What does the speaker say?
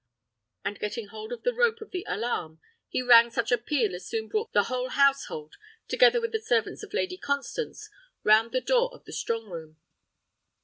And getting hold of the rope of the alarum, he rang such a peal as soon brought the whole household, together with the servants of the Lady Constance, round the door of the strong room.